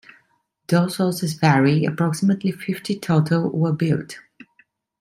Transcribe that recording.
Though sources vary, approximately fifty total were built.